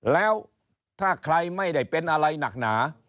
แล้วถ้าใครไม่ได้เป็นอะไรหนักหนา